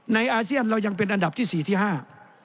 อาเซียนเรายังเป็นอันดับที่สี่ที่ห้า